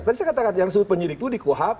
tadi saya katakan yang sebut penyidik itu dikuahap